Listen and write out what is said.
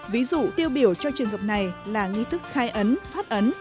ví dụ tiêu biểu cho trường hợp này là nghi thức khai ấn phát ấn